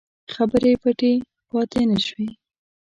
خبرې پټې پاته نه شوې.